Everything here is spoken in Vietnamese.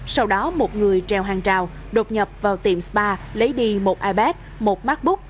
sau đó một người treo hàng trào đột nhập vào tiệm spa lấy đi một ipad một macbook